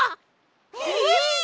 えっ！